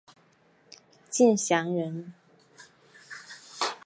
敬翔人。